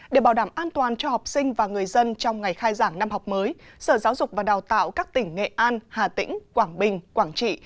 để bảo đảm an toàn cho học sinh và người dân trong ngày khai giảng năm học mới sở giáo dục và đào tạo các tỉnh nghệ an hà tĩnh quảng bình quảng trị